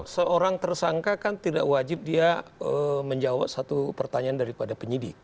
seorang tersangka kan tidak wajib dia menjawab satu pertanyaan daripada penyidik